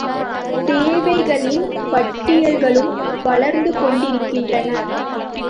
தேவைகளின் பட்டியல்களும் வளர்ந்து கொண்டிருக்கின்றன.